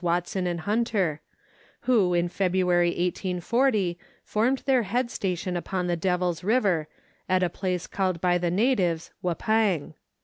Watson and Hunter, who, in February 1840, formed their head station upon the DeviPs River, at a place called by the natives " Wappang."